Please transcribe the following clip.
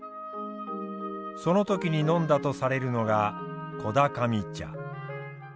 その時に飲んだとされるのがこだかみ茶。